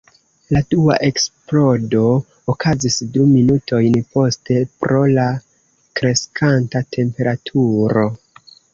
La dua eksplodo okazis du minutojn poste pro la kreskanta temperaturo.